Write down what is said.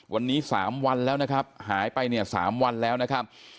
วันนี้๓วันแล้วนะครับหายไปเนี่ย๓วันแล้วนะครับ